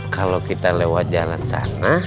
kalau kita lewat jalan sana